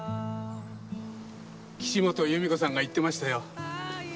岸本由美子さんが言ってましたよ。